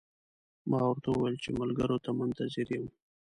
ما ورته وویل چې ملګرو ته منتظر یم.